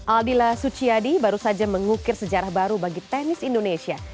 aldila suciadi baru saja mengukir sejarah baru bagi tenis indonesia